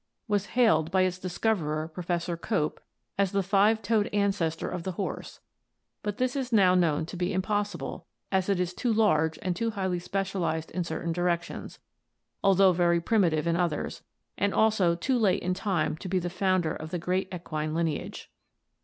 177, 178, PI. XVIII), was hailed by its discoverer, Professor Cope, as the five toed ancestor of the horse, but this is now known to be impossible as it is too large and too highly specialized in certain directions, although very primitive in others, and also too late in time to be the founder of the great equine lineage.